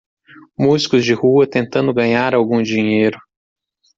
Músicos de rua tentando ganhar algum dinheiro.